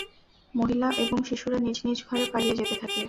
মহিলা এবং শিশুরা নিজ নিজ ঘরে পালিয়ে যেতে থাকে।